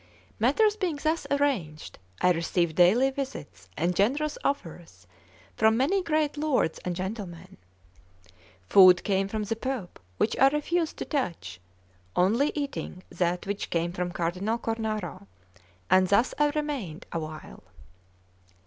Matters being thus arranged, I received daily visits and generous offers from many great lords and gentlemen. Food came from the Pope, which I refused to touch, only eating that which came from Cardinal Cornaro; and thus I remained awhile.